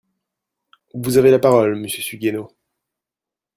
Vous avez la parole, monsieur Suguenot.